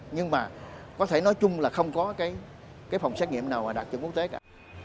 nhưng mà có thể nói chung là không có cái phòng xét nghiệm nào mà đạt chuẩn quốc tế cả